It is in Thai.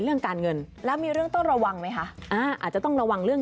เรื่องการเงินแล้วมีเรื่องต้องระวังไหมคะอ่าอาจจะต้องระวังเรื่อง